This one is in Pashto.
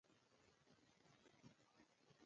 ښکاري د خپلې علاقې سیمه پېژني.